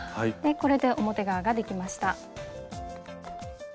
これで表側ができました。